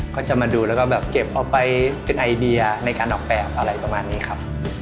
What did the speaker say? ก็จะมาดูแล้วก็แบบเก็บเอาไปเป็นไอเดียในการออกแบบอะไรประมาณนี้ครับ